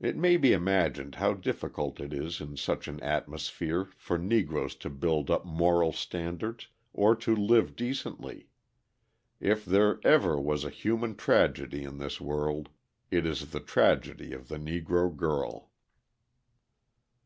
It may be imagined how difficult it is in such an atmosphere for Negroes to build up moral standards, or to live decently. If there ever was a human tragedy in this world it is the tragedy of the Negro girl.